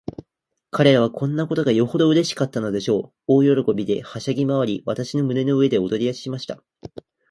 彼等はこんなことがよほどうれしかったのでしょう。大喜びで、はしゃぎまわり、私の胸の上で踊りだしました。